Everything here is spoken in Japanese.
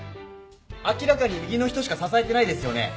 明らかに右の人しか支えてないですよね。